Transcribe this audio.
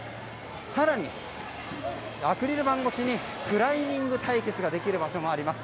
更に、アクリル板越しにクライミング対決ができる場所もあります。